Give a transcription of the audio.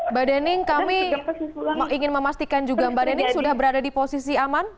mbak dening kami ingin memastikan juga mbak dening sudah berada di posisi aman